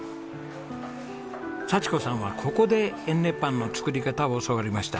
佐千子さんはここでえんねパンの作り方を教わりました。